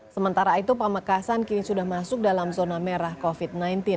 sementara itu pamekasan kini sudah masuk dalam zona merah covid sembilan belas